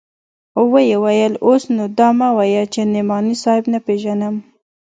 ويې ويل اوس نو دا مه وايه چې نعماني صاحب نه پېژنم.